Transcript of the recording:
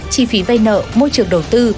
chi phí vây nợ môi trường đầu tư